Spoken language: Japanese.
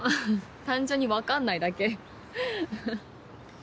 単純に分かんないだけフフ。